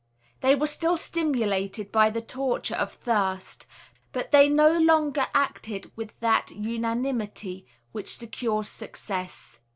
They were still stimulated by the torture of thirst; but they no longer acted with that unanimity which secures success.